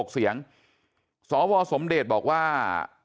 ๖เสียงสวสมเดชบอกว่า